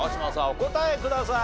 お答えください。